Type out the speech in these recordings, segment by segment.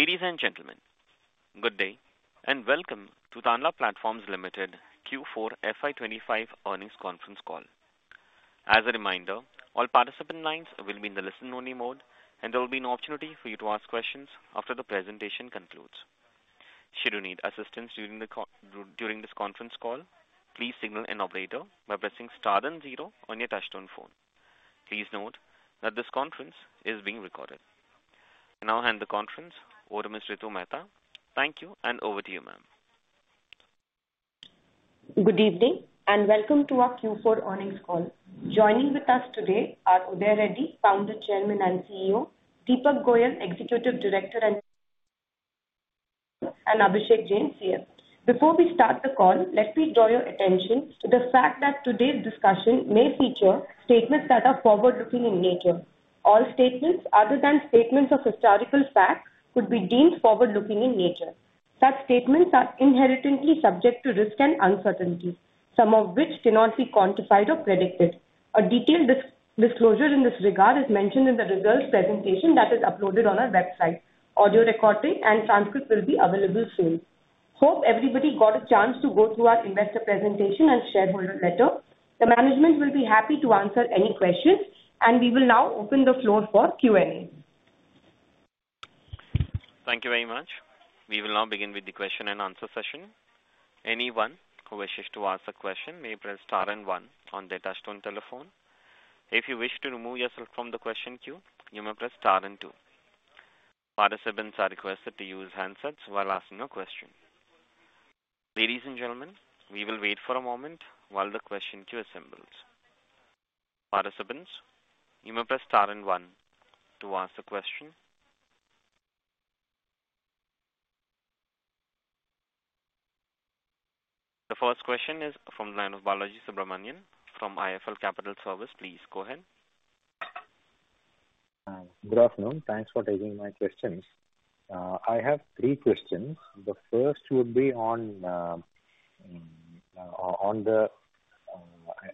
Ladies, and gentlemen, good day and welcome to Tanla Platforms Limited Q4 FY 2025 Earnings Conference Call. As a reminder, all participant lines will be in the listen-only mode, and there will be an opportunity for you to ask questions after the presentation concludes. Should you need assistance during this conference call, please signal an operator by pressing star then zero on your touch-tone phone. Please note that this conference is being recorded. I now hand the conference over to Ms. Ritu Mehta. Thank you, and over to you, ma'am. Good evening and welcome to our Q4 Earnings Call. Joining with us today are Uday Reddy, Founder Chairman and CEO, Deepak Goyal, Executive Director, and Abhishek Jain, CFO. Before we start the call, let me draw your attention to the fact that today's discussion may feature statements that are forward-looking in nature. All statements, other than statements of historical fact, could be deemed forward-looking in nature. Such statements are inherently subject to risk and uncertainty, some of which cannot be quantified or predicted. A detailed disclosure in this regard is mentioned in the results presentation that is uploaded on our website. Audio recording and transcript will be available soon. Hope everybody got a chance to go through our investor presentation and shareholder letter. The management will be happy to answer any questions, and we will now open the floor for Q&A. Thank you very much. We will now begin with the question and answer session. Anyone who wishes to ask a question may press star and one on their touch-tone telephone. If you wish to remove yourself from the question queue, you may press star and two. Participants are requested to use handsets while asking a question. Ladies, and gentlemen, we will wait for a moment while the question queue assembles. Participants, you may press star and one to ask a question. The first question is from the line of Balaji Subramanian from IIFL Capital Services. Please go ahead. Good afternoon. Thanks for taking my questions. I have three questions. The first would be on the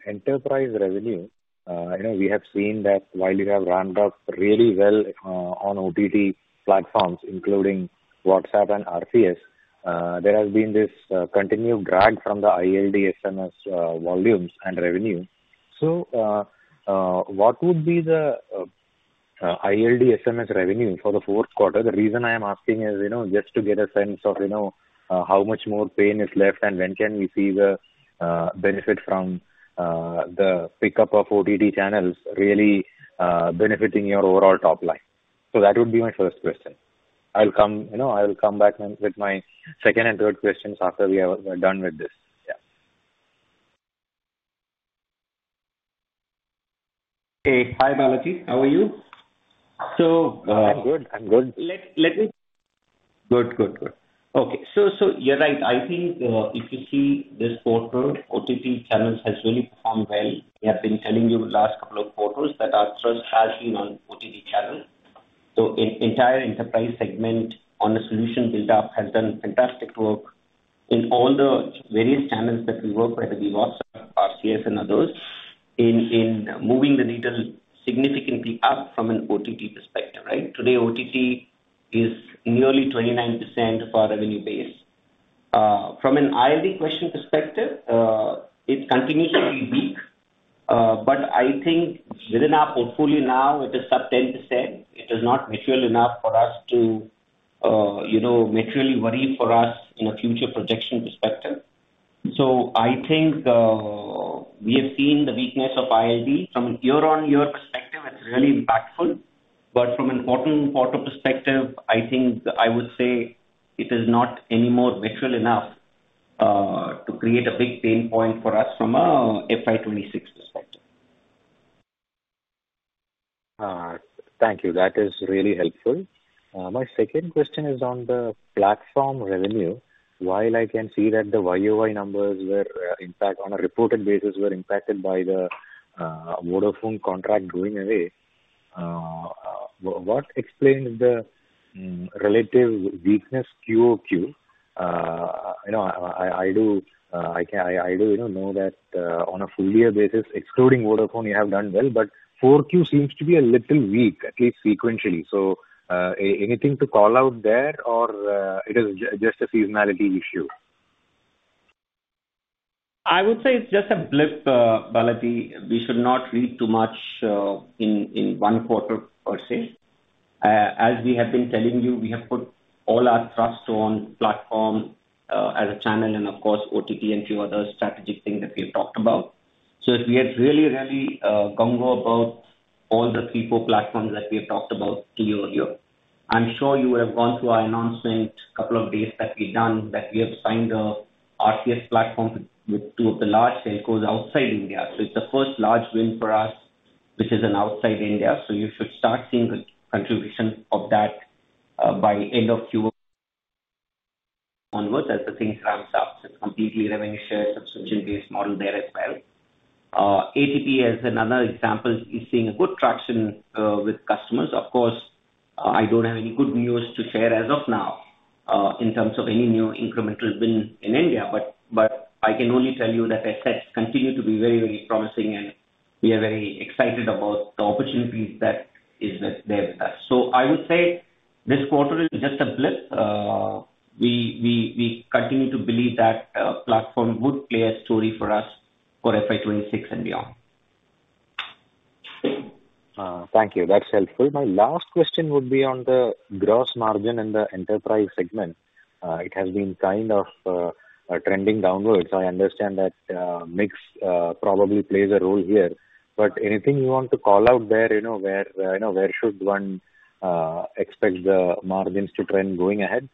enterprise revenue. We have seen that while you have ramped up really well on OTT platforms, including WhatsApp and RCS, there has been this continued drag from the ILD SMS volumes and revenue. What would be the ILD SMS revenue for the fourth quarter? The reason I am asking is just to get a sense of how much more pain is left and when can we see the benefit from the pickup of OTT channels really benefiting your overall top line. That would be my first question. I will come back with my second and third questions after we are done with this. Yeah. Hey, hi, Balaji. How are you? I'm good. I'm good. Good, good, good. Okay. You're right. I think if you see this quarter, OTT channels have really performed well. We have been telling you the last couple of quarters that our trust has been on OTT channels. The entire enterprise segment on the solution build-up has done fantastic work in all the various channels that we work with, whether it be WhatsApp, RCS, and others, in moving the needle significantly up from an OTT perspective. Right? Today, OTT is nearly 29% of our revenue base. From an ILD question perspective, it continues to be weak, but I think within our portfolio now, it is sub 10%. It is not mature enough for us to maturely worry for us in a future projection perspective. I think we have seen the weakness of ILD from a year-on-year perspective. It's really impactful, but from an important quarter perspective, I think I would say it is not any more mature enough to create a big pain point for us from an FY 2026 perspective. Thank you. That is really helpful. My second question is on the platform revenue. While I can see that the YoY numbers were, in fact, on a reported basis, were impacted by the Vodafone contract going away, what explains the relative weakness QoQ? I do know that on a full-year basis, excluding Vodafone, you have done well, but 4Q seems to be a little weak, at least sequentially. Is there anything to call out there, or is it just a seasonality issue? I would say it's just a blip, Balaji. We should not read too much in one quarter, per se. As we have been telling you, we have put all our trust on platform as a channel and, of course, OTT and a few other strategic things that we have talked about. If we had really, really gone about all the Q4 platforms that we have talked about to you earlier, I'm sure you would have gone through our announcement a couple of days that we've done that we have signed an RCS platform with two of the large telcos outside India. It's the first large win for us, which is outside India. You should start seeing the contribution of that by the end of Q4 onwards as the thing ramps up. It's completely revenue-shared, subscription-based model there as well. ATP, as another example, is seeing good traction with customers. Of course, I don't have any good news to share as of now in terms of any new incremental win in India, but I can only tell you that assets continue to be very, very promising, and we are very excited about the opportunities that are there with us. I would say this quarter is just a blip. We continue to believe that platform would play a story for us for FY 2026 and beyond. Thank you. That's helpful. My last question would be on the gross margin in the enterprise segment. It has been kind of trending downwards. I understand that mix probably plays a role here, but anything you want to call out there? Where should one expect the margins to trend going ahead?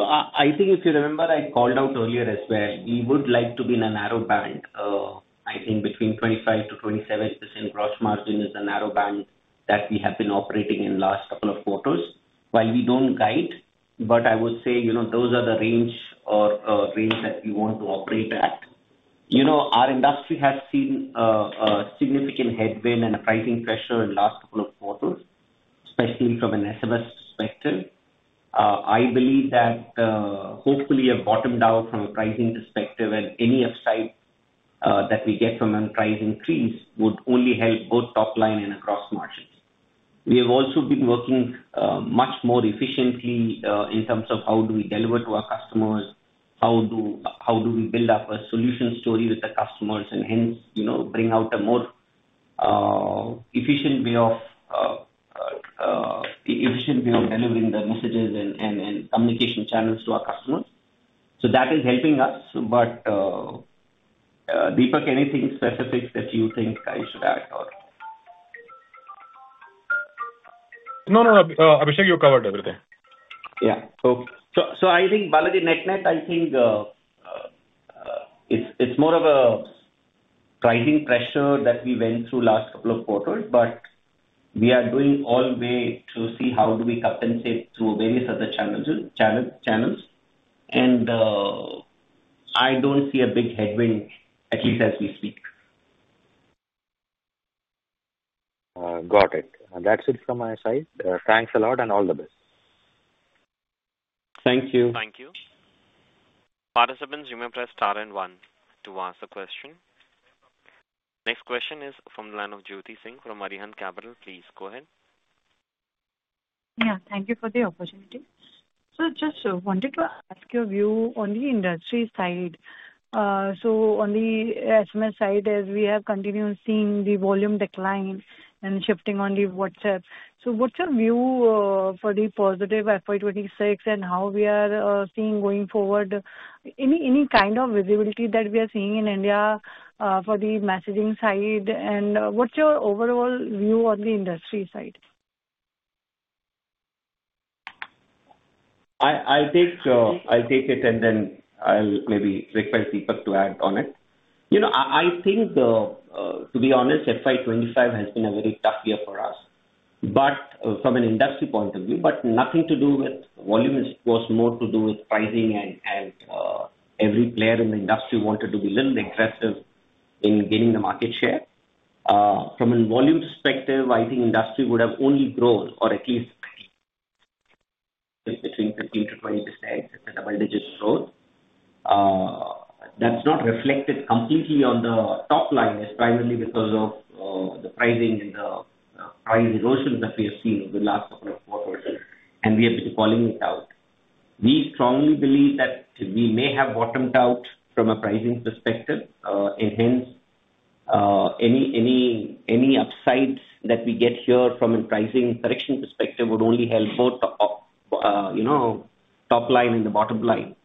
I think if you remember, I called out earlier as well, we would like to be in a narrow band. I think between 25%-27% gross margin is a narrow band that we have been operating in the last couple of quarters. While we do not guide, I would say those are the range that we want to operate at. Our industry has seen a significant headwind and pricing pressure in the last couple of quarters, especially from an SMS perspective. I believe that hopefully a bottom down from a pricing perspective and any upside that we get from a price increase would only help both top line and across margins. We have also been working much more efficiently in terms of how do we deliver to our customers, how do we build up a solution story with the customers, and hence bring out a more efficient way of delivering the messages and communication channels to our customers. That is helping us, but Deepak, anything specific that you think I should add? No, no. Abhishek, you covered everything. Yeah. I think, Balaji, net-net, I think it's more of a pricing pressure that we went through last couple of quarters, but we are doing all we can to see how do we compensate through various other channels. I don't see a big headwind, at least as we speak. Got it. That's it from my side. Thanks a lot and all the best. Thank you. Thank you. Participants, you may press star and one to ask a question. Next question is from the line of Jyoti Singh from Arihant Capital. Please go ahead. Thank you for the opportunity. Just wanted to ask your view on the industry side. On the SMS side, as we have continued seeing the volume decline and shifting on the WhatsApp, what is your view for the positive FY 2026 and how are we seeing going forward? Any kind of visibility that we are seeing in India for the messaging side? What is your overall view on the industry side? I'll take it, and then I'll maybe request Deepak to add on it. I think, to be honest, FY 2025 has been a very tough year for us, from an industry point of view, but nothing to do with volume. It was more to do with pricing, and every player in the industry wanted to be a little aggressive in gaining the market share. From a volume perspective, I think industry would have only grown, or at least between 15%-20%, it's a double-digit growth. That's not reflected completely on the top line. It's primarily because of the pricing and the price erosion that we have seen over the last couple of quarters, and we have been calling it out. We strongly believe that we may have bottomed out from a pricing perspective, and hence any upside that we get here from a pricing correction perspective would only help both the top line and the bottom line.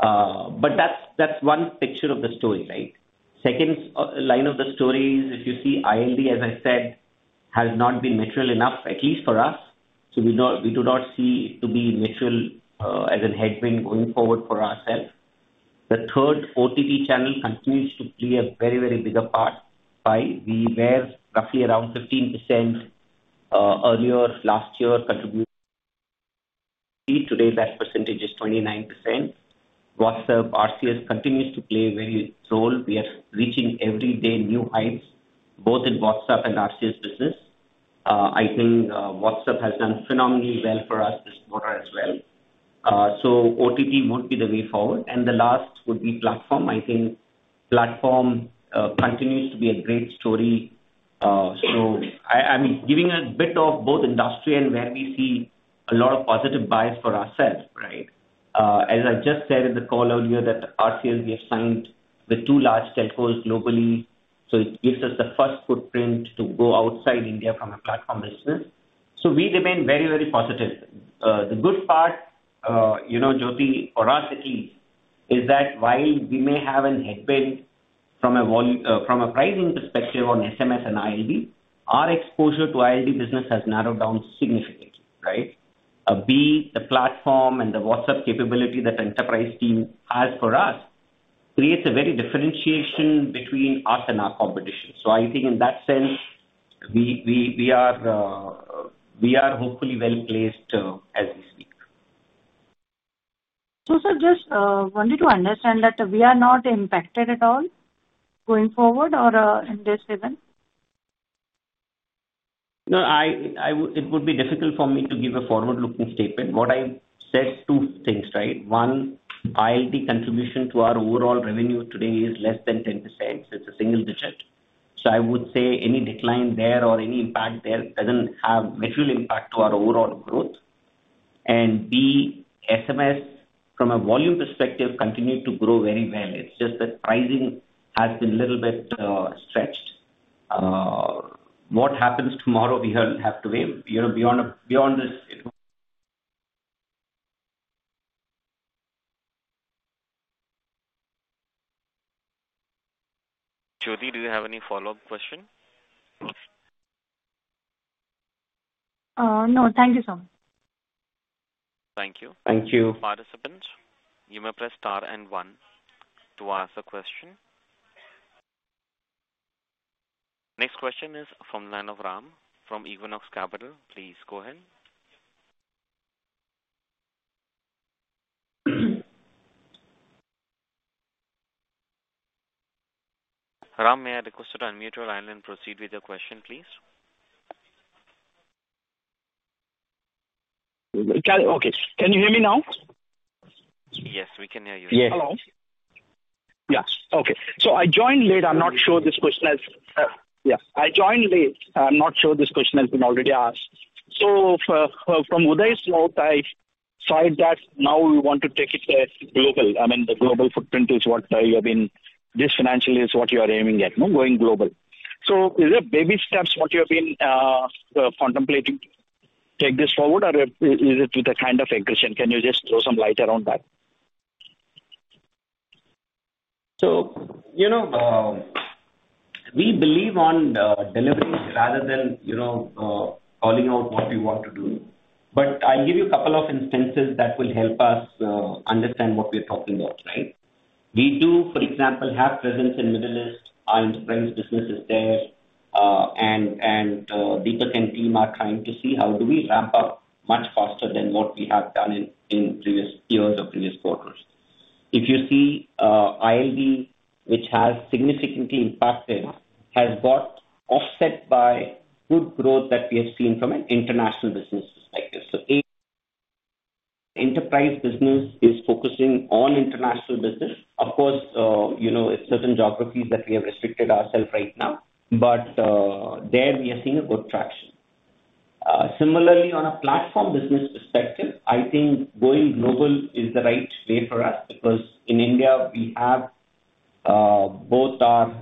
That is one picture of the story. Right? The second line of the story is, if you see, ILD, as I said, has not been mature enough, at least for us. We do not see it to be mature as a headwind going forward for ourselves. The third, OTT channel continues to play a very, very bigger part. The way roughly around 15% earlier last year contributed, today that percentage is 29%. WhatsApp, RCS continues to play a very role; we are reaching every day new heights, both in WhatsApp and RCS business. I think WhatsApp has done phenomenally well for us this quarter as well. OTT would be the way forward. The last would be platform. I think platform continues to be a great story. I'm giving a bit of both industry and where we see a lot of positive bias for ourselves. Right? As I just said in the call earlier, that RCS, we have signed with two large telcos globally. It gives us the first footprint to go outside India from a platform business. We remain very, very positive. The good part, Jyoti, for us at least, is that while we may have a headwind from a pricing perspective on SMS and ILD, our exposure to ILD business has narrowed down significantly. Right? B, the platform and the WhatsApp capability that the enterprise team has for us creates a very differentiation between us and our competition. I think in that sense, we are hopefully well placed as we speak. I just wanted to understand that we are not impacted at all going forward or in this event? No, it would be difficult for me to give a forward-looking statement. What I said are two things. Right? One, ILD contribution to our overall revenue today is less than 10%. It's a single digit. I would say any decline there or any impact there does not have a mature impact on our overall growth. B, SMS from a volume perspective continued to grow very well. It's just that pricing has been a little bit stretched. What happens tomorrow, we have to wait. Beyond this. Jyoti, do you have any follow-up question? No. Thank you, sir. Thank you. Thank you. Participants, you may press star and one to ask a question. Next question is from the line of Ram from Equinox Capital. Please go ahead. Ram, may I request to unmute your line and proceed with your question, please? Okay. Can you hear me now? Yes, we can hear you. Hello. Yeah. Okay. I joined late. I'm not sure this question has—yeah. I joined late. I'm not sure this question has been already asked. From Uday's note, I saw that now we want to take it global. I mean, the global footprint is what you have been—this financial is what you are aiming at, going global. Is there baby steps you have been contemplating to take this forward, or is it with a kind of aggression? Can you just throw some light around that? We believe in delivery rather than calling out what we want to do. I'll give you a couple of instances that will help us understand what we are talking about. Right? We do, for example, have presence in the Middle East. Our enterprise business is there, and Deepak and team are trying to see how do we ramp up much faster than what we have done in previous years or previous quarters. If you see ILD, which has significantly impacted, has got offset by good growth that we have seen from an international business perspective. Enterprise business is focusing on international business. Of course, it's certain geographies that we have restricted ourselves right now, but there we have seen a good traction. Similarly, on a platform business perspective, I think going global is the right way for us because in India, we have both our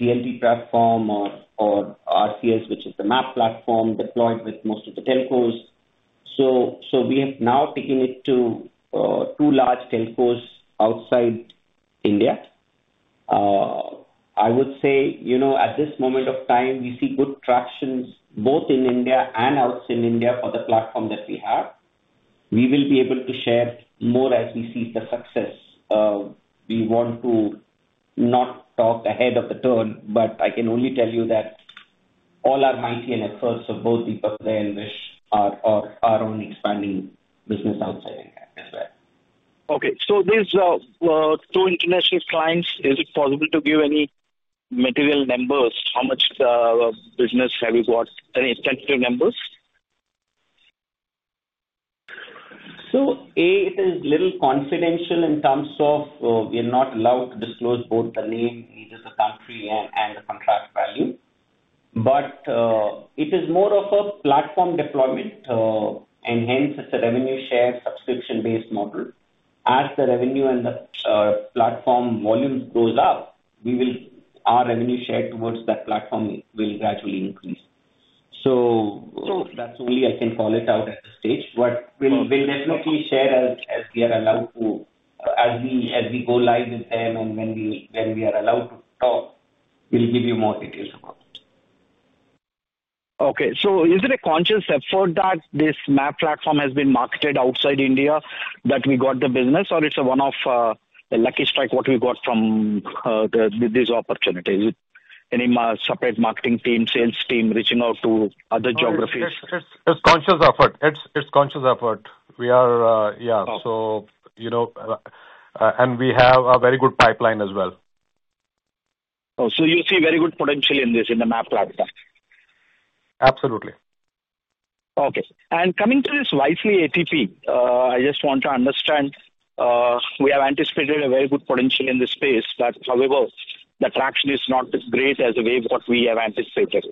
DLT platform or RCS, which is the MaaP platform deployed with most of the telcos. We have now taken it to two large telcos outside India. I would say at this moment of time, we see good traction both in India and outside India for the platform that we have. We will be able to share more as we see the success. We want to not talk ahead of the turn, but I can only tell you that all our mighty efforts of both Deepak Goyal and Vish are around expanding business outside India as well. Okay. These two international clients, is it possible to give any material numbers? How much business have you got? Any extensive numbers? A, it is a little confidential in terms of we are not allowed to disclose both the name, neither the country and the contract value. It is more of a platform deployment, and hence it's a revenue share subscription-based model. As the revenue and the platform volume goes up, our revenue share towards that platform will gradually increase. That's only I can call it out at this stage. We'll definitely share as we are allowed to, as we go live with them and when we are allowed to talk, we'll give you more details about it. Okay. Is it a conscious effort that this MaaP platform has been marketed outside India that we got the business, or is it one of a lucky strike what we got from this opportunity? Is it any separate marketing team, sales team reaching out to other geographies? It's a conscious effort. It's a conscious effort. Yeah, and we have a very good pipeline as well. Oh, so you see very good potential in this, in the MaaP platform? Absolutely. Okay. Coming to this Wisely ATP, I just want to understand. We have anticipated a very good potential in this space, however, the traction is not great as a way of what we have anticipated.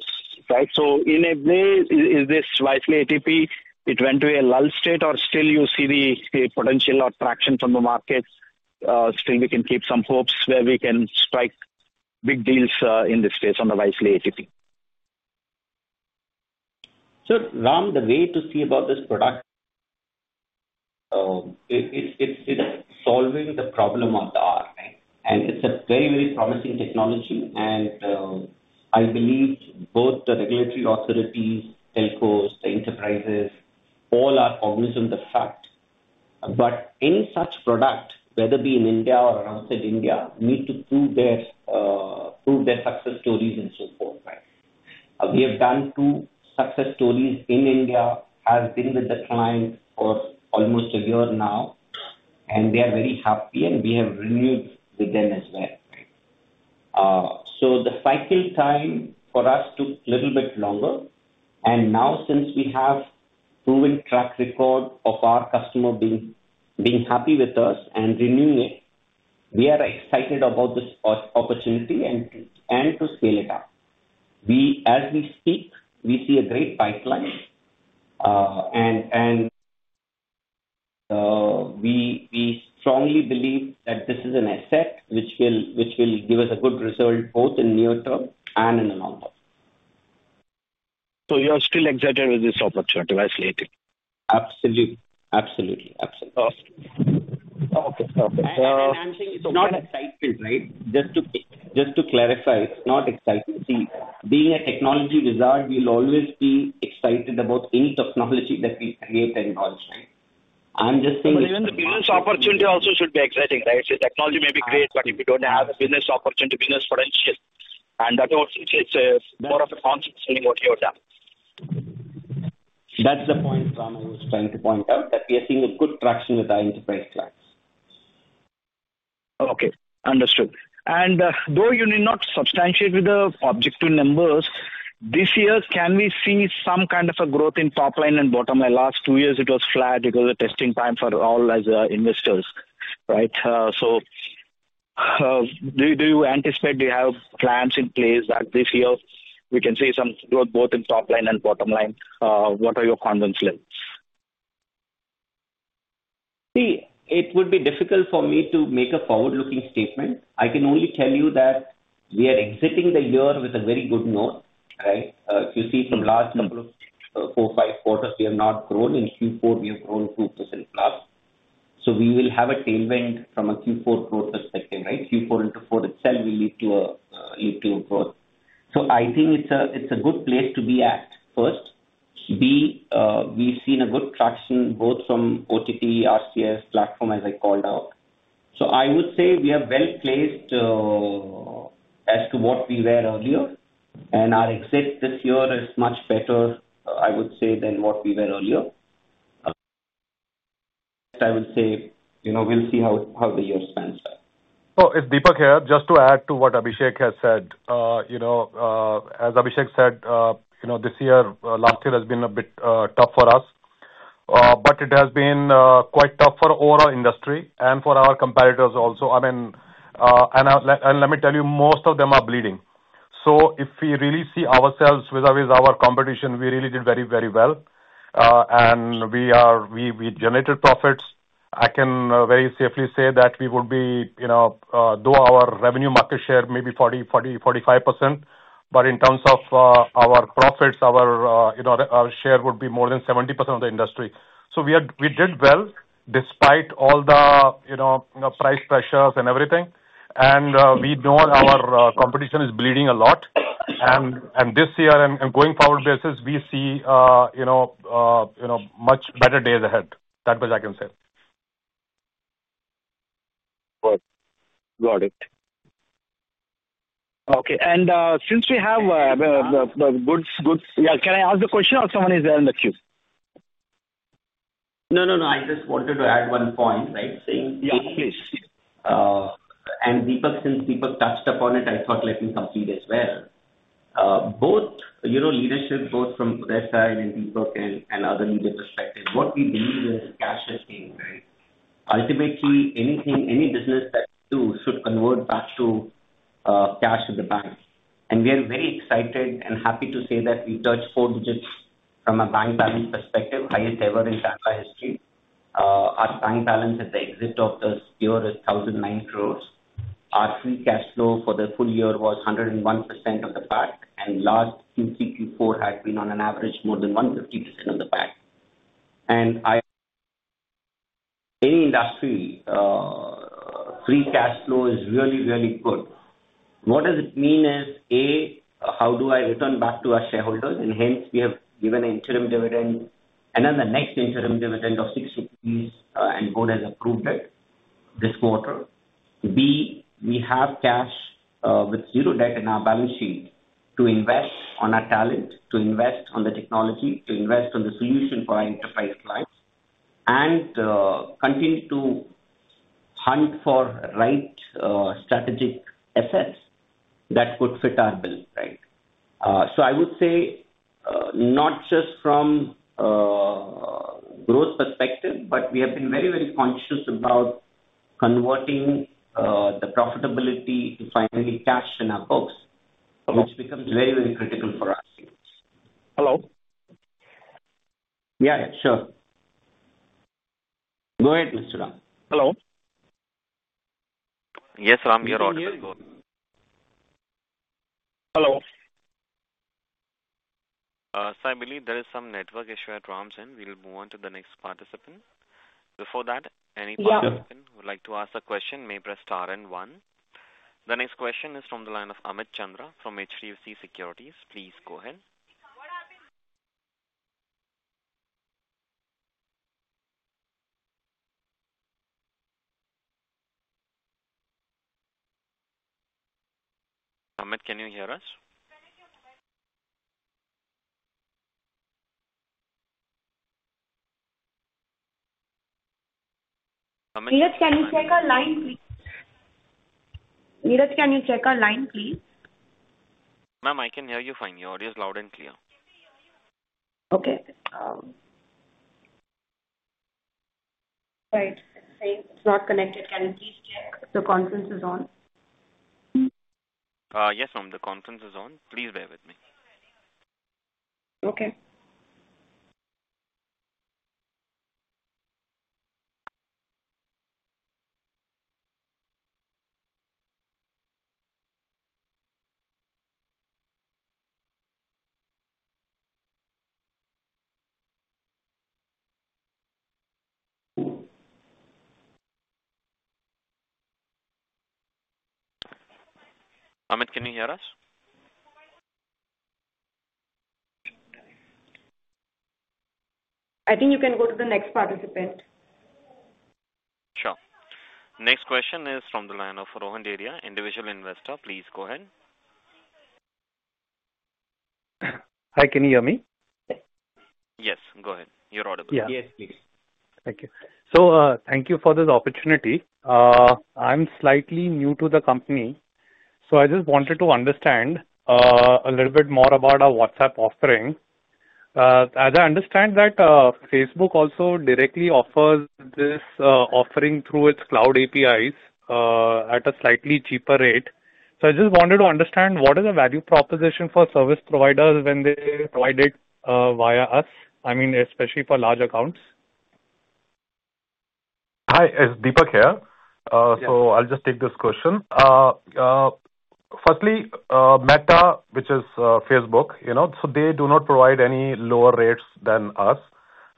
Right? In a way, is this Wisely ATP, it went to a lull state, or still you see the potential or traction from the market? Still, we can keep some hopes where we can strike big deals in this space on the Wisely ATP. Ram, the way to see about this product, it's solving the problem of the R, right? And it's a very, very promising technology. I believe both the regulatory authorities, telcos, the enterprises, all are cognizant of the fact. Any such product, whether be in India or outside India, need to prove their success stories and so forth, right? We have done two success stories in India, have been with the client for almost a year now, and they are very happy, and we have renewed with them as well, right? The cycle time for us took a little bit longer. Now, since we have proven track record of our customer being happy with us and renewing it, we are excited about this opportunity and to scale it up. As we speak, we see a great pipeline, and we strongly believe that this is an asset which will give us a good result both in near term and in the long term. You are still excited with this opportunity, Wisely ATP? Absolutely. Absolutely. Okay. Okay. I'm saying it's not excitement, right? Just to clarify, it's not excitement. See, being a technology wizard, we'll always be excited about any technology that we create and launch, right? I'm just saying. Even the business opportunity also should be exciting. Right? The technology may be great, but if you do not have business opportunity, business potential, and that also is more of a conscious thing what you have done. That's the point, Ram, I was trying to point out, that we are seeing good traction with our enterprise clients. Okay. Understood. Though you need not substantiate with the objective numbers, this year, can we see some kind of a growth in top line and bottom line? Last two years, it was flat. It was a testing time for all as investors. Right? Do you anticipate you have plans in place that this year we can see some growth both in top line and bottom line? What are your confidence levels? See, it would be difficult for me to make a forward-looking statement. I can only tell you that we are exiting the year with a very good note. Right? If you see from the last couple of four, five quarters, we have not grown. In Q4, we have grown 2%+. We will have a tailwind from a Q4 growth perspective. Right? Q4 into Q4 itself will lead to growth. I think it's a good place to be at. First, B, we've seen a good traction both from OTT, RCS platform, as I called out. I would say we are well placed as to what we were earlier, and our exit this year is much better, I would say, than what we were earlier. I would say we'll see how the year stands out. Deepak here, just to add to what Abhishek has said, as Abhishek said, this year, last year has been a bit tough for us, but it has been quite tough for our industry and for our competitors also. I mean, let me tell you, most of them are bleeding. If we really see ourselves with our competition, we really did very, very well, and we generated profits. I can very safely say that we would be, our revenue market share maybe 40%-45%, but in terms of our profits, our share would be more than 70% of the industry. We did well despite all the price pressures and everything. We know our competition is bleeding a lot. This year and going forward basis, we see much better days ahead. That's what I can say. Got it. Okay. Since we have the goods, can I ask the question, or someone is there on the queue? No, no, no. I just wanted to add one point, right, saying. Yeah, please. Since Deepak touched upon it, I thought, let me complete as well. Both leadership, both from their side and Deepak and other media perspective, what we believe is cash is king. Right? Ultimately, any business that we do should convert back to cash at the bank. We are very excited and happy to say that we touched four digits from a bank balance perspective, highest ever in Tanla history. Our bank balance at the exit of the year is 1,009 crore. Our free cash flow for the full year was 101% of the PAT, and last Q2, Q4 had been on an average more than 150% of the PAT. In any industry, free cash flow is really, really good. What does it mean is, A, how do I return back to our shareholders? Hence, we have given an interim dividend, and then the next interim dividend of 6 rupees, and Board has approved it this quarter. B, we have cash with zero debt in our balance sheet to invest on our talent, to invest on the technology, to invest on the solution for our enterprise clients, and continue to hunt for right strategic assets that could fit our bill. Right? I would say not just from a growth perspective, but we have been very, very conscious about converting the profitability to finally cash in our books, which becomes very, very critical for us. Hello? Yeah, sure. Go ahead, Mr. Ram. Hello. Yes, Ram, you're audible. Hello. I believe there is some network issue at Ram's, and we'll move on to the next participant. Before that, any participant who would like to ask a question may press star and one. The next question is from the line of Amit Chandra from HDFC Securities. Please go ahead. Amit, can you hear us? Amit. Neeraj, can you check our line, please? Neeraj, can you check our line, please? Ma'am, I can hear you fine. Your audio is loud and clear. Okay. Right. It's not connected. Can you please check the conference is on? Yes, ma'am, the conference is on. Please bear with me. Okay. Amit, can you hear us? I think you can go to the next participant. Sure. Next question is from the line of Rohan Deriya, Individual Investor. Please go ahead. Hi, can you hear me? Yes. Go ahead. You're audible. Yeah. Yes, please. Thank you. Thank you for this opportunity. I'm slightly new to the company, so I just wanted to understand a little bit more about our WhatsApp offering. As I understand that, Facebook also directly offers this offering through its cloud APIs at a slightly cheaper rate. I just wanted to understand what is the value proposition for service providers when they provide it via us, I mean, especially for large accounts. Hi, it's Deepak here. I'll just take this question. Firstly, Meta, which is Facebook, they do not provide any lower rates than us.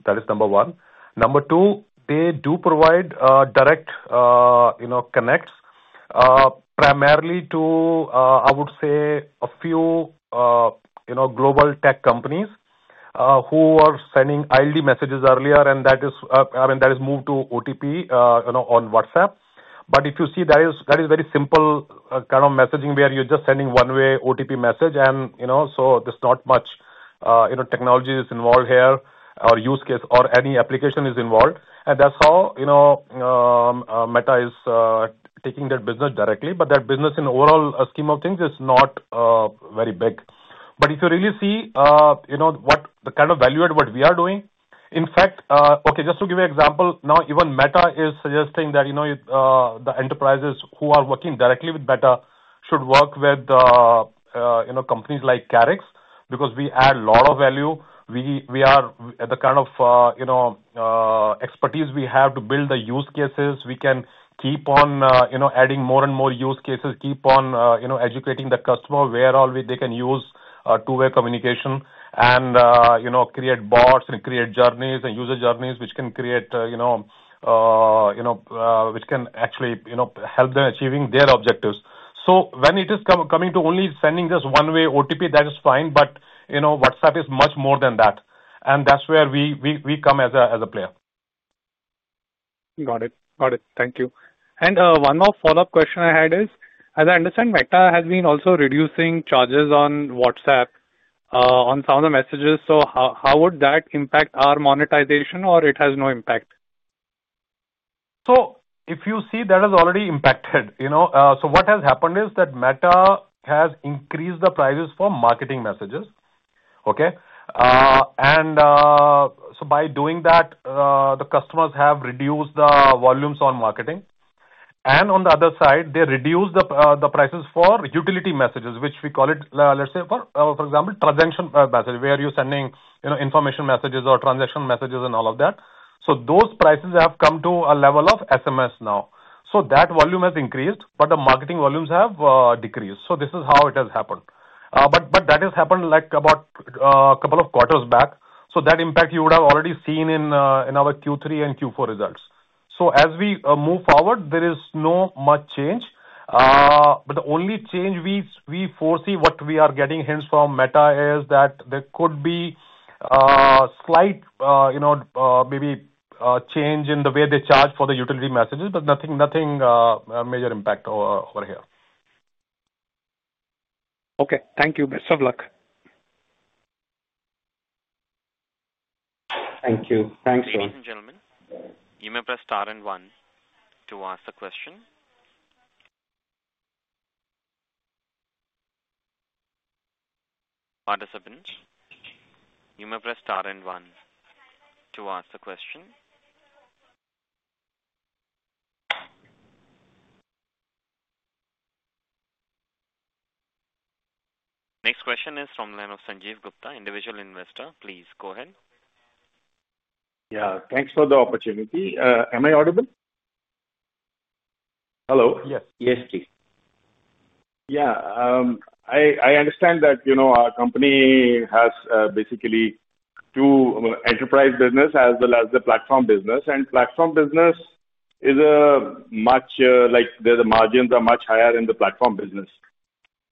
That is number one. Number two, they do provide direct connects primarily to, I would say, a few global tech companies who are sending ID messages earlier, and that is, I mean, that is moved to OTP on WhatsApp. If you see, that is very simple kind of messaging where you're just sending one-way OTP message, so there's not much technology that's involved here or use case or any application is involved. That's how Meta is taking their business directly. Their business in overall scheme of things is not very big. If you really see what the kind of value at what we are doing, in fact, okay, just to give you an example, now even Meta is suggesting that the enterprises who are working directly with Meta should work with companies like Karix because we add a lot of value. We are the kind of expertise we have to build the use cases. We can keep on adding more and more use cases, keep on educating the customer where they can use two-way communication and create bots and create journeys and user journeys, which can actually help them achieving their objectives. When it is coming to only sending this one-way OTP, that is fine, but WhatsApp is much more than that. That is where we come as a player. Got it. Got it. Thank you. One more follow-up question I had is, as I understand, Meta has been also reducing charges on WhatsApp on some of the messages. How would that impact our monetization, or does it have no impact? If you see, that has already impacted. What has happened is that Meta has increased the prices for marketing messages. By doing that, the customers have reduced the volumes on marketing. On the other side, they reduced the prices for utility messages, which we call it, let's say, for example, transaction message, where you're sending information messages or transaction messages and all of that. Those prices have come to a level of SMS now. That volume has increased, but the marketing volumes have decreased. This is how it has happened. That has happened like about a couple of quarters back. That impact you would have already seen in our Q3 and Q4 results. As we move forward, there is no much change. The only change we foresee, what we are getting hints from Meta, is that there could be slight maybe change in the way they charge for the utility messages, but nothing major impact over here. Okay. Thank you. Best of luck. Thank you. Thanks, Ram. Ladies, and gentlemen, you may press star and one to ask the question. Participants, you may press star and one to ask the question. Next question is from the line of Sanjeev Gupta, Individual Investor. Please go ahead. Yeah. Thanks for the opportunity. Am I audible? Hello? Yes. Yes, please. Yeah. I understand that our company has basically two enterprise businesses as well as the platform business. Platform business is a much, the margins are much higher in the platform business.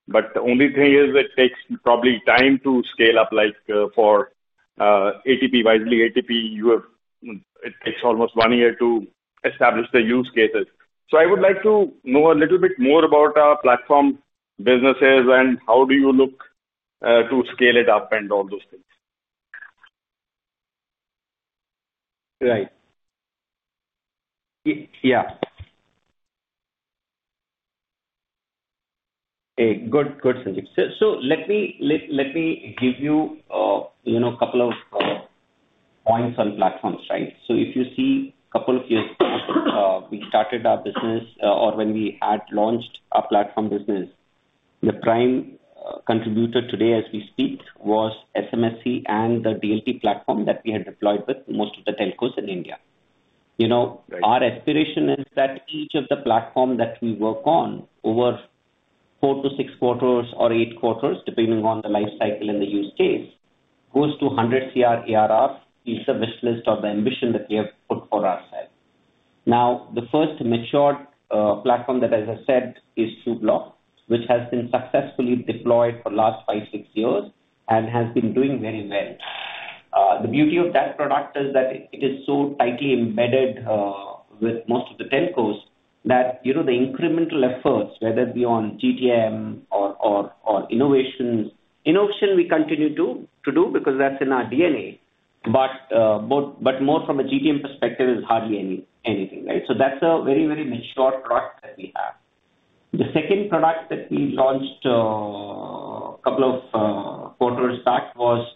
The only thing is it takes probably time to scale up for Wisely ATP. It takes almost one year to establish the use cases. I would like to know a little bit more about our platform businesses and how do you look to scale it up and all those things. Right. Yeah. Okay. Good, good, Sanjeev. Let me give you a couple of points on platforms. If you see a couple of years ago, we started our business, or when we had launched our platform business, the prime contributor today as we speak was SMSC and the DLT platform that we had deployed with most of the telcos in India. Our aspiration is that each of the platforms that we work on over four to six quarters or eight quarters, depending on the life cycle and the use case, goes to 100 crore, ARR, feature wish list, or the ambition that we have put for ourselves. The first matured platform that, as I said, is Trubloq, which has been successfully deployed for the last five, six years and has been doing very well. The beauty of that product is that it is so tightly embedded with most of the telcos that the incremental efforts, whether it be on GTM or innovations, innovation we continue to do because that's in our DNA, but more from a GTM perspective is hardly anything. Right? That is a very, very mature product that we have. The second product that we launched a couple of quarters back was,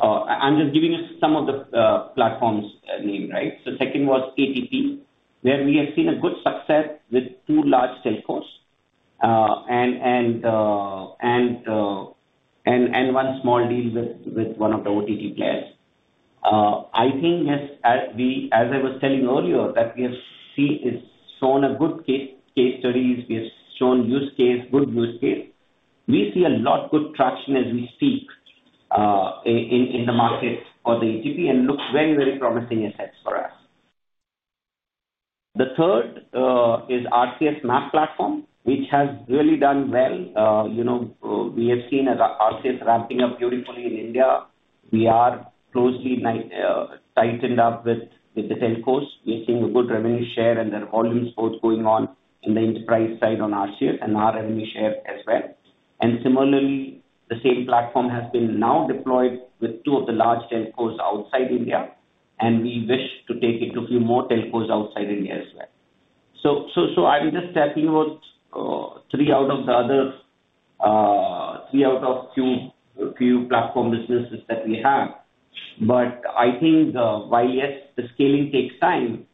I am just giving you some of the platforms' names. Right? Second was ATP, where we have seen a good success with two large telcos and one small deal with one of the OTP players. I think, as I was telling earlier, what we have seen is shown a good case studies. We have shown use case, good use case. We see a lot of good traction as we speak in the market for the ATP and look very, very promising assets for us. The third is RCS MaaP platform, which has really done well. We have seen RCS ramping up beautifully in India. We are closely tightened up with the telcos. We are seeing a good revenue share, and there are volumes both going on in the enterprise side on RCS and our revenue share as well. Similarly, the same platform has been now deployed with two of the large telcos outside India, and we wish to take it to a few more telcos outside India as well. I am just tapping with three out of the other three out of few platform businesses that we have. I think, while yes, the scaling takes time,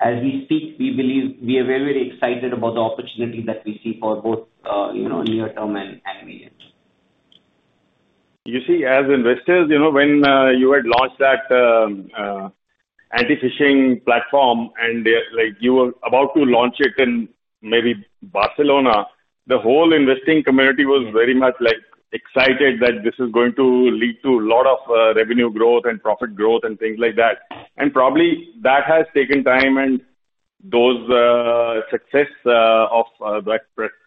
as we speak, we believe we are very, very excited about the opportunity that we see for both near-term and medium-term. You see, as investors, when you had launched that anti-phishing platform and you were about to launch it in maybe Barcelona, the whole investing community was very much excited that this is going to lead to a lot of revenue growth and profit growth and things like that. Probably that has taken time, and those successes of that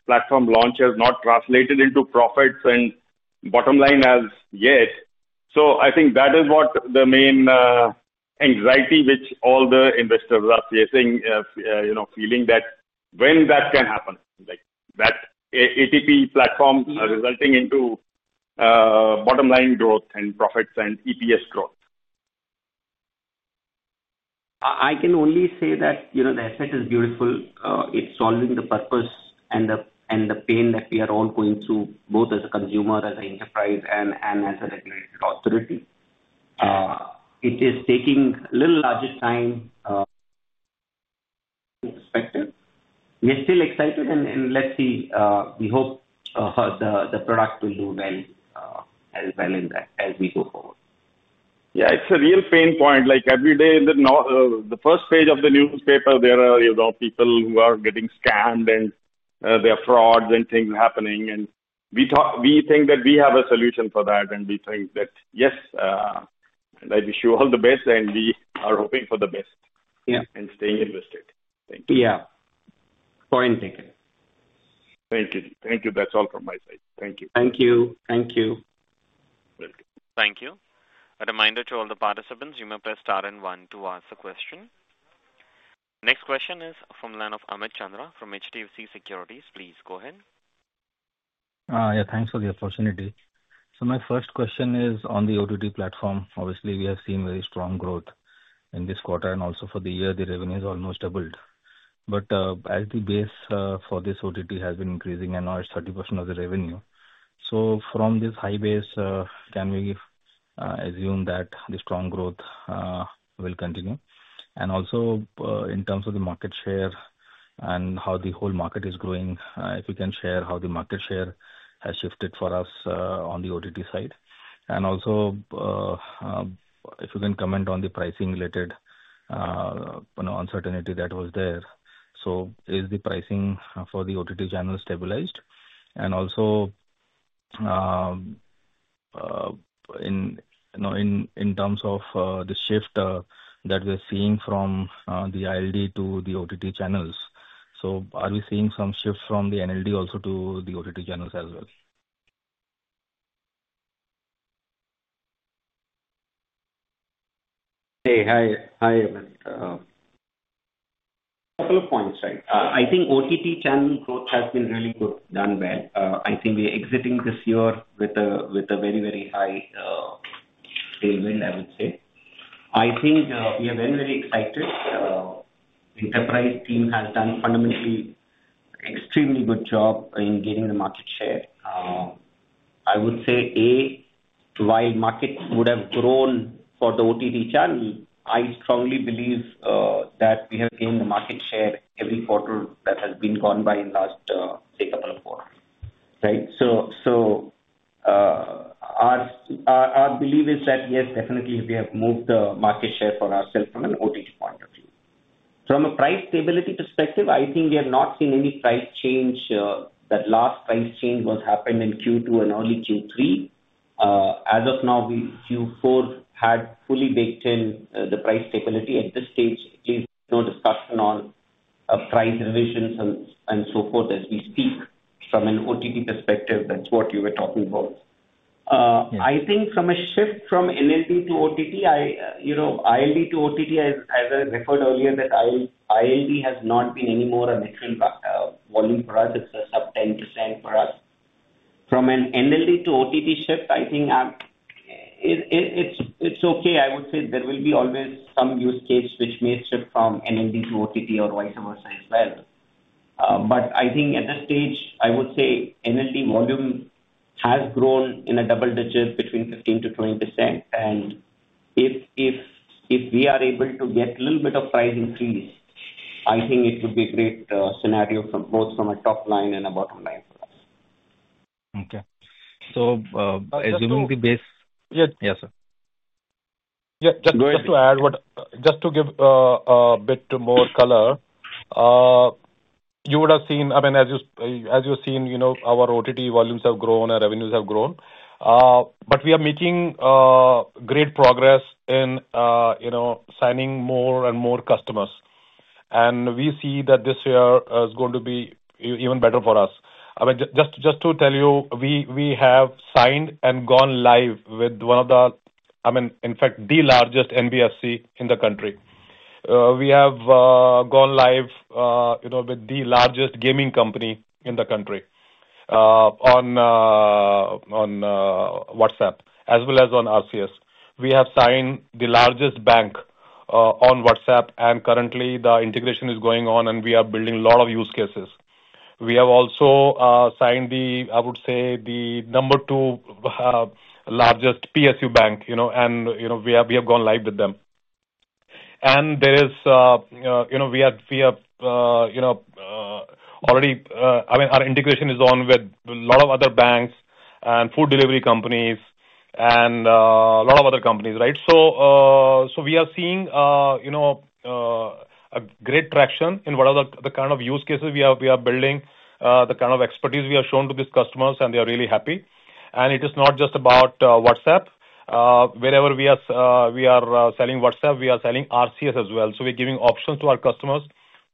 platform launch have not translated into profits and bottom line as yet. I think that is what the main anxiety which all the investors are facing, feeling that when that can happen, that ATP platform resulting into bottom line growth and profits and EPS growth. I can only say that the asset is beautiful. It's solving the purpose and the pain that we are all going through, both as a consumer, as an enterprise, and as a regulated authority. It is taking a little larger time perspective. We are still excited, and let's see. We hope the product will do well as well as we go forward. Yeah. It's a real pain point. Every day in the first page of the newspaper, there are people who are getting scammed, and there are frauds and things happening. We think that we have a solution for that, and we think that, yes, I wish you all the best, and we are hoping for the best and staying invested. Thank you. Yeah. Point taken. Thank you. Thank you. That's all from my side. Thank you. Thank you. Thank you. Thank you. A reminder to all the participants, you may press star and one to ask the question. Next question is from the line of Amit Chandra from HDFC Securities. Please go ahead. Thanks for the opportunity. My first question is on the OTT platform. Obviously, we have seen very strong growth in this quarter and also for the year. The revenue has almost doubled. As the base for this OTT has been increasing, and now it is 30% of the revenue, from this high base, can we assume that the strong growth will continue? In terms of the market share and how the whole market is growing, if you can share how the market share has shifted for us on the OTT side. If you can comment on the pricing-related uncertainty that was there, is the pricing for the OTT channels stabilized? In terms of the shift that we're seeing from the ILD to the OTT channels, are we seeing some shift from the NLD also to the OTT channels as well? Hey. Hi. Hi, Amit. A couple of points. Right? I think OTT channel growth has been really good, done well. I think we are exiting this year with a very, very high tailwind, I would say. I think we have been very excited. The enterprise team has done fundamentally an extremely good job in getting the market share. I would say, A, while markets would have grown for the OTT channel, I strongly believe that we have gained the market share every quarter that has been gone by in the last, say, couple of quarters. Right? Our belief is that, yes, definitely, we have moved the market share for ourselves from an OTT point of view. From a price stability perspective, I think we have not seen any price change. That last price change was happened in Q2 and early Q3. As of now, Q4 had fully baked in the price stability. At this stage, there is no discussion on price revisions and so forth as we speak. From an OTT perspective, that's what you were talking about. I think from a shift from NLD to OTT, ILD to OTT, as I referred earlier, that ILD has not been any more a natural volume for us. It's a sub 10% for us. From an NLD to OTT shift, I think it's okay. I would say there will be always some use case which may shift from NLD to OTT or vice versa as well. I think at this stage, I would say NLD volume has grown in a double digit between 15%-20%. If we are able to get a little bit of price increase, I think it would be a great scenario both from a top line and a bottom line for us. Okay. So assuming the base. Yeah. Yes, sir. Yeah. Just to add, just to give a bit more color, you would have seen, I mean, as you've seen, our OTT volumes have grown and revenues have grown. We are making great progress in signing more and more customers. We see that this year is going to be even better for us. I mean, just to tell you, we have signed and gone live with one of the, I mean, in fact, the largest NBFC in the country. We have gone live with the largest gaming company in the country on WhatsApp, as well as on RCS. We have signed the largest bank on WhatsApp, and currently, the integration is going on, and we are building a lot of use cases. We have also signed the, I would say, the number two largest PSU bank, and we have gone live with them. We have already, I mean, our integration is on with a lot of other banks and food delivery companies and a lot of other companies. Right? We are seeing great traction in whatever the kind of use cases we are building, the kind of expertise we have shown to these customers, and they are really happy. It is not just about WhatsApp. Wherever we are selling WhatsApp, we are selling RCS as well. We are giving options to our customers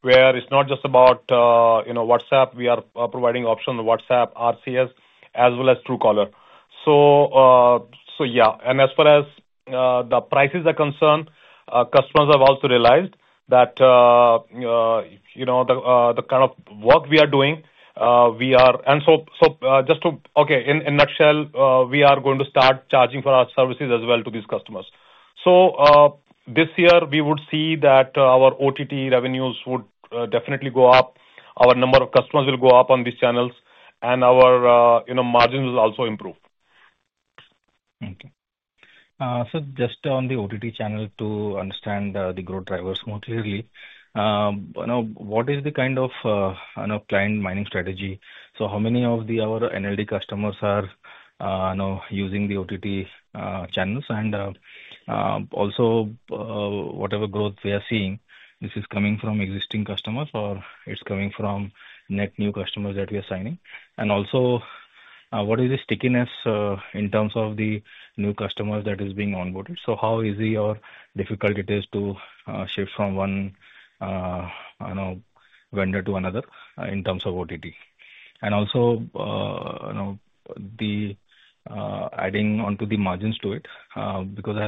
where it is not just about WhatsApp. We are providing options on WhatsApp, RCS, as well as Truecaller. Yeah. As far as the prices are concerned, customers have also realized that the kind of work we are doing, we are, and just to, okay, in a nutshell, we are going to start charging for our services as well to these customers. This year, we would see that our OTT revenues would definitely go up. Our number of customers will go up on these channels, and our margins will also improve. Okay. Just on the OTT channel, to understand the growth drivers more clearly, what is the kind of client mining strategy? How many of our NLD customers are using the OTT channels? Also, whatever growth we are seeing, is this coming from existing customers, or is it coming from net new customers that we are signing? What is the stickiness in terms of the new customers that are being onboarded? How easy or difficult is it to shift from one vendor to another in terms of OTT? Adding onto the margins, as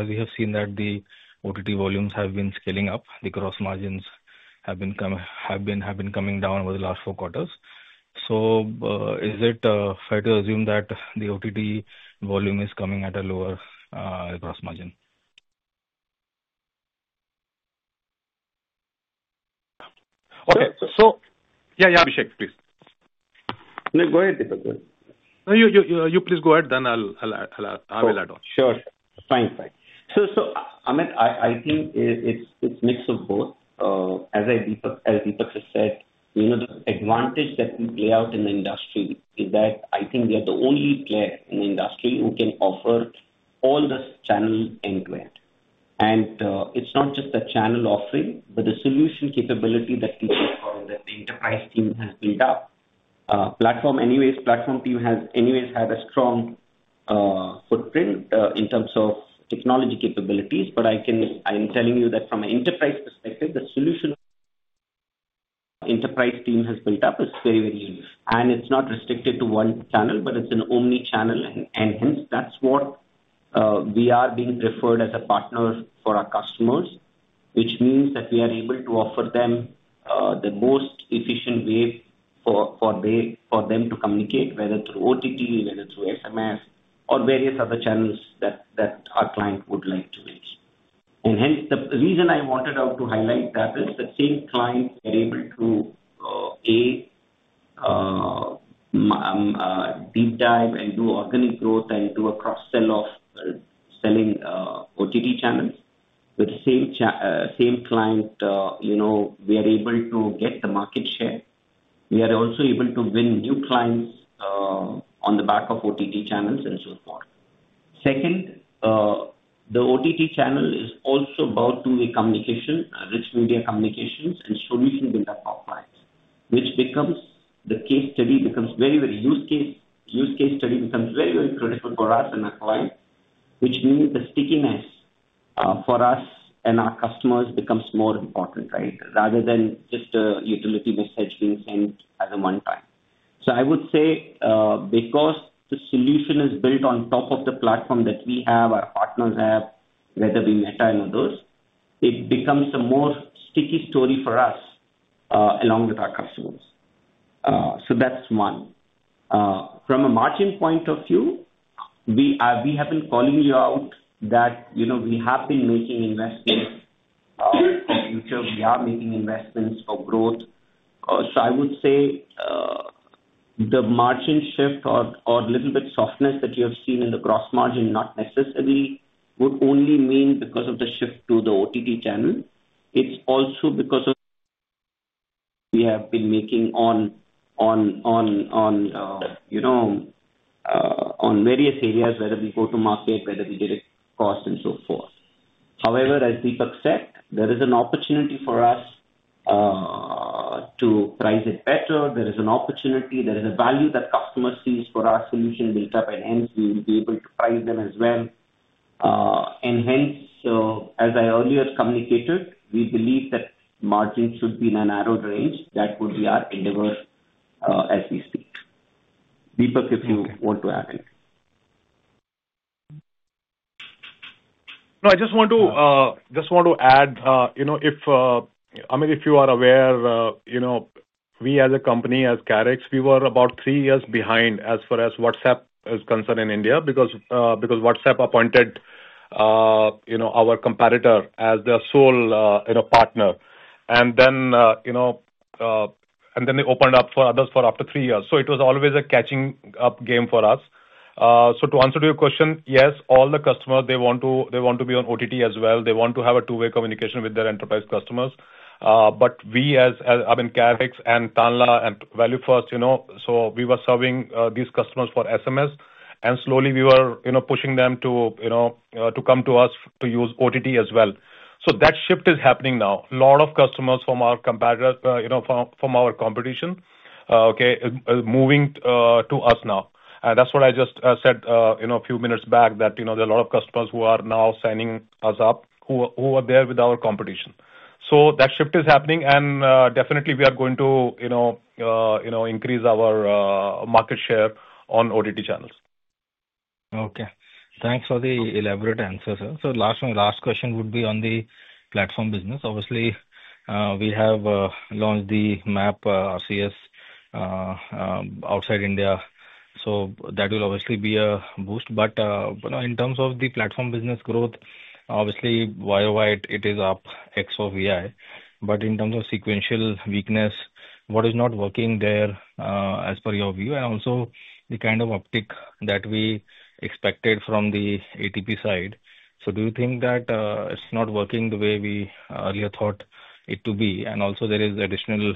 we have seen that the OTT volumes have been scaling up, the gross margins have been coming down over the last four quarters. Is it fair to assume that the OTT volume is coming at a lower gross margin? Okay. Yeah, Abhishek, please. No, go ahead, Deepak. No, you please go ahead. Then I will add on. Sure. Fine. Fine. Amit, I think it's a mix of both. As Deepak has said, the advantage that we play out in the industry is that I think we are the only player in the industry who can offer all the channels end-to-end. It's not just the channel offering, but the solution capability that Deepak and the enterprise team have built up. Platform team has always had a strong footprint in terms of technology capabilities. I'm telling you that from an enterprise perspective, the solution the enterprise team has built up is very, very unique. It's not restricted to one channel, but it's an omni-channel. Hence, that's what we are being referred to as a partner for our customers, which means that we are able to offer them the most efficient way for them to communicate, whether through OTT, whether through SMS, or various other channels that our client would like to reach. The reason I wanted to highlight that is that same clients are able to, A, deep dive and do organic growth and do a cross-sell of selling OTT channels. With the same client, we are able to get the market share. We are also able to win new clients on the back of OTT channels and so forth. Second, the OTT channel is also bound to be communication, rich media communications, and solutions built up for clients, which becomes the case study becomes very, very critical for us and our client, which means the stickiness for us and our customers becomes more important, right, rather than just a utility message being sent at a one-time. I would say because the solution is built on top of the platform that we have, our partners have, whether it be Meta and others, it becomes a more sticky story for us along with our customers. That is one. From a margin point of view, we have been calling you out that we have been making investments. In the future, we are making investments for growth. I would say the margin shift or a little bit softness that you have seen in the gross margin not necessarily would only mean because of the shift to the OTT channel. It's also because we have been making on various areas, whether it be go-to-market, whether it be direct cost, and so forth. However, as Deepak said, there is an opportunity for us to price it better. There is an opportunity. There is a value that customers see for our solution built up, and hence, we will be able to price them as well. As I earlier communicated, we believe that margin should be in a narrowed range. That would be our endeavor as we speak. Deepak, if you want to add anything. No, I just want to add, I mean, if you are aware, we as a company, as Karix, we were about three years behind as far as WhatsApp is concerned in India because WhatsApp appointed our competitor as their sole partner. They opened up for others for up to three years. It was always a catching-up game for us. To answer your question, yes, all the customers, they want to be on OTT as well. They want to have a two-way communication with their enterprise customers. We, as I mean, Karix and Tanla and ValueFirst, we were serving these customers for SMS, and slowly, we were pushing them to come to us to use OTT as well. That shift is happening now. A lot of customers from our competition are moving to us now. That is what I just said a few minutes back, that there are a lot of customers who are now signing us up who are there with our competition. That shift is happening, and definitely, we are going to increase our market share on OTT channels. Okay. Thanks for the elaborate answer, sir. Last question would be on the platform business. Obviously, we have launched the MaaP RCS outside India. That will obviously be a boost. In terms of the platform business growth, obviously, year-over-year, it is up X of Y. In terms of sequential weakness, what is not working there as per your view, and also the kind of uptick that we expected from the ATP side, do you think that it's not working the way we earlier thought it to be? Also, there is additional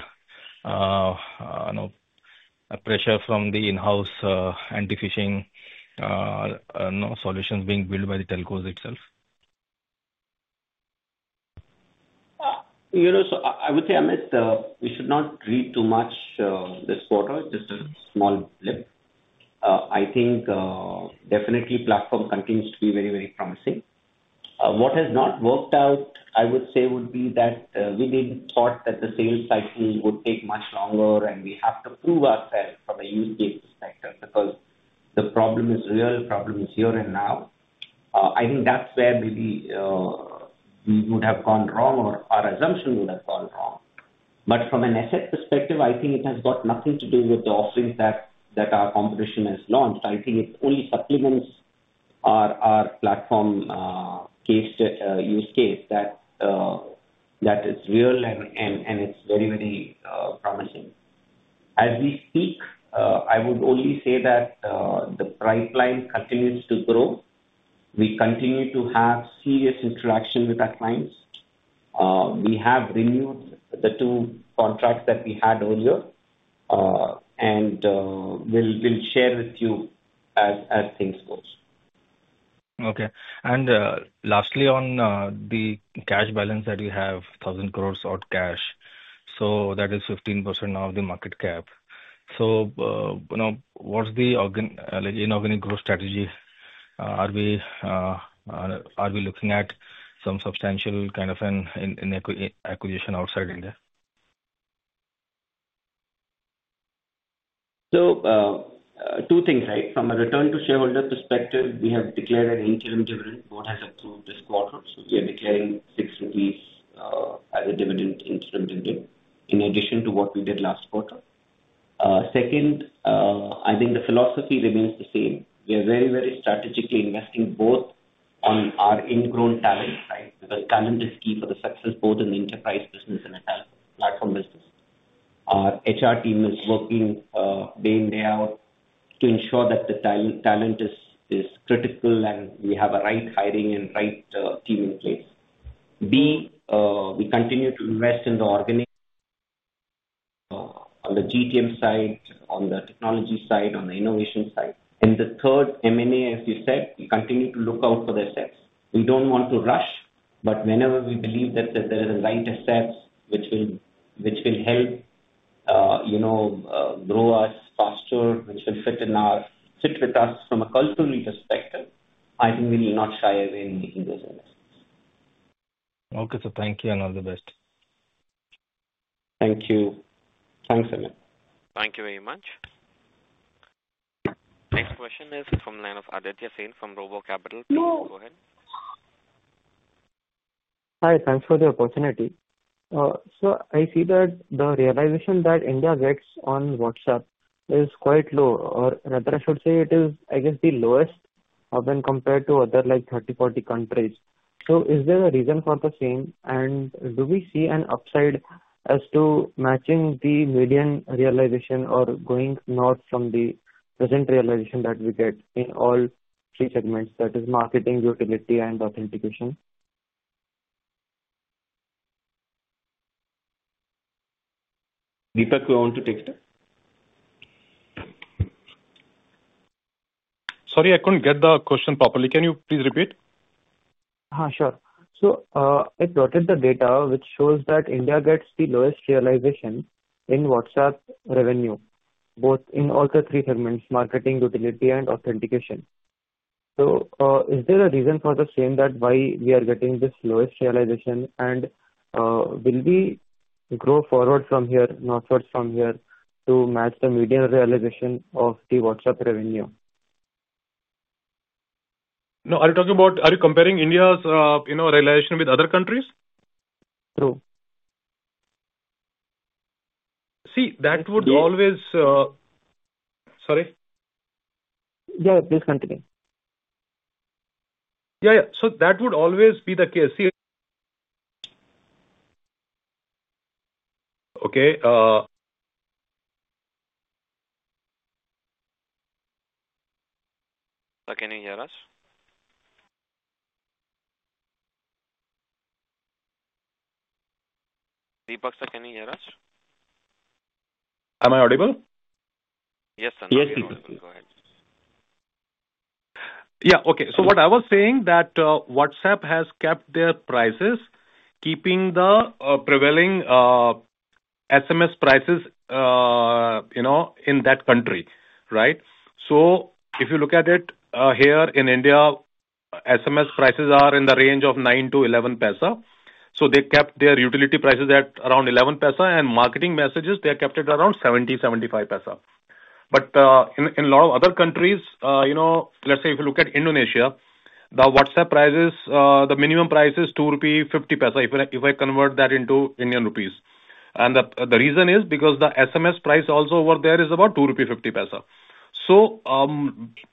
pressure from the in-house anti-phishing solutions being built by the telcos itself. I would say, Amit, we should not read too much this quarter, just a small blip. I think definitely platform continues to be very, very promising. What has not worked out, I would say, would be that we did not think that the sales cycle would take much longer, and we have to prove ourselves from a use case perspective because the problem is real. The problem is here and now. I think that is where maybe we would have gone wrong or our assumption would have gone wrong. From an asset perspective, I think it has got nothing to do with the offerings that our competition has launched. I think it only supplements our platform use case that is real, and it is very, very promising. As we speak, I would only say that the pipeline continues to grow. We continue to have serious interaction with our clients. We have renewed the two contracts that we had earlier, and we'll share with you as things go. Okay. Lastly, on the cash balance that you have, 1,000 crore of cash, that is 15% of the market cap. What is the in-organic growth strategy? Are we looking at some substantial kind of an acquisition outside India? Two things, right? From a return-to-shareholder perspective, we have declared an interim dividend. Board has approved this quarter, so we are declaring 6 rupees as a dividend interim dividend in addition to what we did last quarter. Second, I think the philosophy remains the same. We are very, very strategically investing both on our ingrown talent, right, because talent is key for the success, both in the enterprise business and the platform business. Our HR team is working day in, day out to ensure that the talent is critical, and we have a right hiring and right team in place. B, we continue to invest in the organic on the GTM side, on the technology side, on the innovation side. The third, M&A, as you said, we continue to look out for the assets. We do not want to rush, but whenever we believe that there is the right assets which will help grow us faster, which will fit with us from a cultural perspective, I think we will not shy away in making those investments. Okay. Thank you and all the best. Thank you. Thanks, Amit. Thank you very much. Next question is from line of Aditya Sen from RoboCapital. Please go ahead. Hi. Thanks for the opportunity. I see that the realization that India gets on WhatsApp is quite low, or rather, I should say it is, I guess, the lowest when compared to other 30-40 countries. Is there a reason for the same, and do we see an upside as to matching the median realization or going north from the present realization that we get in all three segments, that is marketing, utility, and authentication? Deepak, you want to take it? Sorry, I couldn't get the question properly. Can you please repeat? Sure. I plotted the data, which shows that India gets the lowest realization in WhatsApp revenue, both in all three segments, marketing, utility, and authentication. Is there a reason for the same, that is, why we are getting this lowest realization, and will we grow forward from here, northwards from here, to match the median realization of the WhatsApp revenue? No, are you talking about, are you comparing India's realization with other countries? True. See, that would always—sorry? Yeah, please continue. Yeah, yeah. That would always be the case. See. Okay. Can you hear us? Deepak, can you hear us? Am I audible? Yes, sir. Yes, Deepak. Go ahead. Yeah. Okay. What I was saying is that WhatsApp has kept their prices, keeping the prevailing SMS prices in that country, right? If you look at it here in India, SMS prices are in the range of 9-11 paisa. They kept their utility prices at around 11 paisa, and marketing messages, they are kept at around 70-75 paisa. In a lot of other countries, if you look at Indonesia, the WhatsApp price, the minimum price is 2.50 rupees if I convert that into Indian rupees. The reason is because the SMS price also over there is about 2.50 rupees.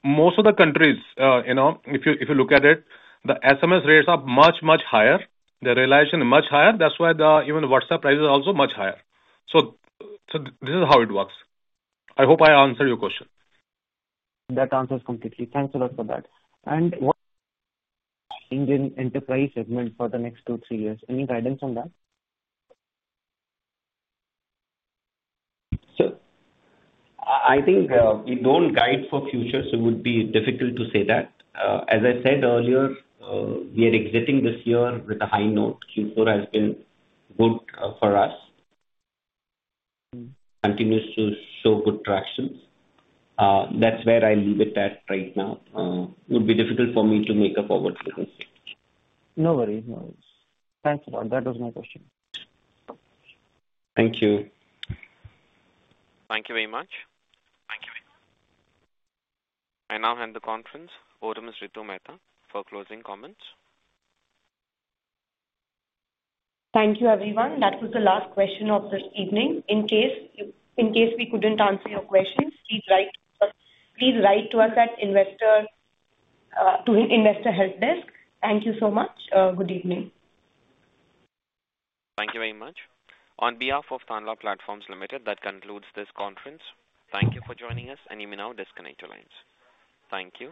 Most of the countries, if you look at it, the SMS rates are much, much higher. The realization is much higher. That is why even WhatsApp price is also much higher. This is how it works. I hope I answered your question. That answers completely. Thanks a lot for that. What is the enterprise segment for the next two, three years? Any guidance on that? I think we do not guide for future, so it would be difficult to say that. As I said earlier, we are exiting this year with a high note. Q4 has been good for us. Continues to show good traction. That is where I leave it at right now. It would be difficult for me to make a forward-looking statement. No worries. No worries. Thanks a lot. That was my question. Thank you. Thank you very much. Thank you very much. I now hand the conference over to Ms. Ritu Mehta for closing comments. Thank you, everyone. That was the last question of this evening. In case we couldn't answer your questions, please write to us at Investor Help Desk. Thank you so much. Good evening. Thank you very much. On behalf of Tanla Platforms Limited, that concludes this conference. Thank you for joining us, and you may now disconnect your lines. Thank you.